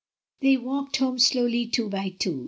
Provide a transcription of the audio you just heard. They walked home slowly two by two.